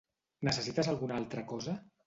Necessites alguna altra cosa?